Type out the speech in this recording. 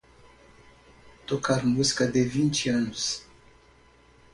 Tocar música de vinte anos